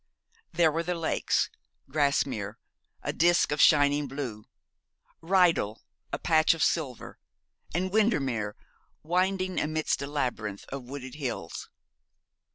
There were the lakes Grasmere, a disk of shining blue; Rydal, a patch of silver; and Windermere winding amidst a labyrinth of wooded hills.